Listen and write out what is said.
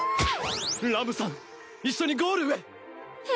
ラムさん一緒にゴールへ！